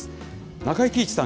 中井貴一さん